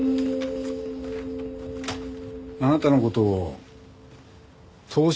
あなたの事投資